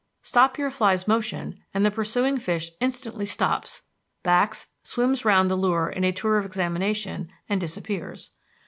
Stop your fly's motion and the pursuing fish instantly stops, backs, swims round the lure in a tour of examination, and disappears.